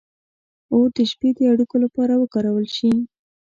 • اور د شپې د اړیکو لپاره وکارول شو.